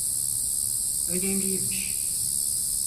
Önemliymiş.